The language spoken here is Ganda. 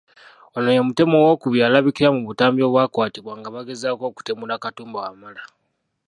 Ono ye mutemu owookubiri alabikira mu butambi obwakwatibwa nga bagezaako okutemula Katumba Wamala.